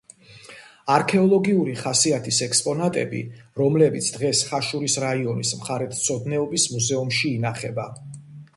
არქეოლოგიური ხასიათის ექსპონატები, რომლებიც დღეს ხაშურის რაიონის მხარეთმცოდნეობის მუზეუმში ინახება.